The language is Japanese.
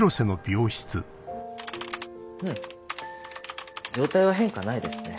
うん状態は変化ないですね。